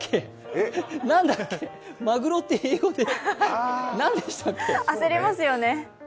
何だっけ、まぐろって英語で何だっけ。焦りますよね。